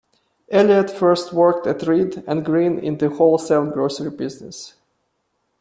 Eliot first worked at Reed and Green in the wholesale grocery business.